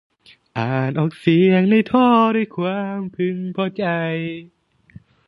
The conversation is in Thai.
อ่านออกเสียงในท่อด้วยความพึงพอใจ